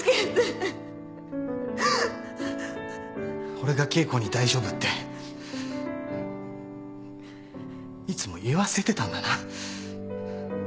俺が恵子に「大丈夫」っていつも言わせてたんだな。